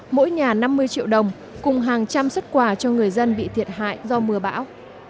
mỗi nhà năm mươi triệu đồng cùng hàng trăm xuất quà cho người dân bị thiệt hại do mưa bão